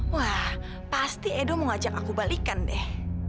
wah pasti edo mau ngajak aku balikan deh